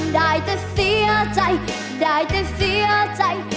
ได้แต่เสียใจได้แต่เสียใจ